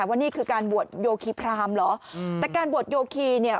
ว่านี่คือการบวชโยคีพรามเหรออืมแต่การบวชโยคีเนี่ย